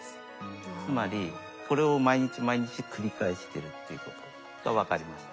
つまりこれを毎日毎日繰り返してるっていうことが分かりました。